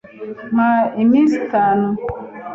Mpa iminsi itanu.